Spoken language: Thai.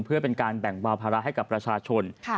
เพื่อเป็นการแบ่งเบาภาระให้กับประชาชน